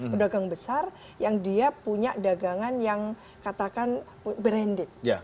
pedagang besar yang dia punya dagangan yang katakan branded